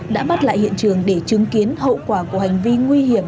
đã bắt lại hiện trường để chứng kiến hậu quả của hành vi nguy hiểm